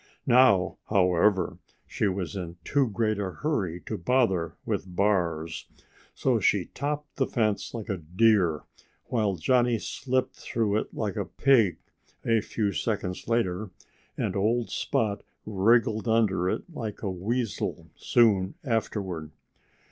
Now, however, she was in too great a hurry to bother with bars. So she topped the fence like a deer, while Johnnie slipped through it like a pig a few seconds later, and old Spot wriggled under it like a weasel soon afterward.